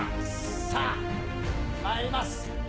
さあ、まいります。